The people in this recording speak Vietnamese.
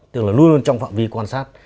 tức là luôn trong phạm vi quan sát